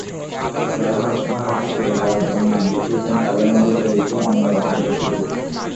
যাঁরা ভারতে চলে যাওয়ার জন্য নাম লিখিয়েছেন, তাঁদের মধ্যে চলছে অন্য রকম প্রস্তুতি।